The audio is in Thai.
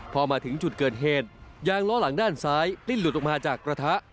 พอมาถึงจุดเกิดเหตุยางล้อหลังด้านซ้ายดิ้นหลุดออกมาจากกระทะ